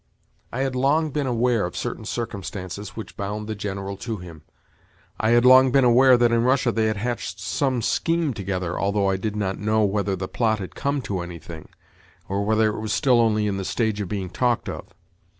I had long been aware of certain circumstances which bound the General to him; I had long been aware that in Russia they had hatched some scheme together although I did not know whether the plot had come to anything, or whether it was still only in the stage of being talked of.